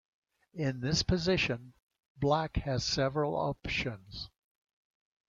In this position, Black has several options.